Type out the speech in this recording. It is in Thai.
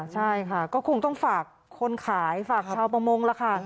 ใช่ค่ะก็คงต้องฝากคนขายฝากชาวประมงล่ะค่ะ